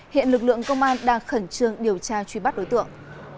hiện lực lượng công an đang khẩn trương điều tra truy bắt đối tượng